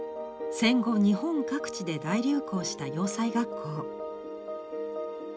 戦後日本各地で大流行した洋裁学校。